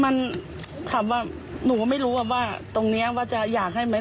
มันถามว่าหนูก็ไม่รู้ว่าตรงนี้ว่าจะอยากให้ไหม